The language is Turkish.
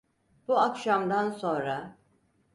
Bu akşamdan sonra…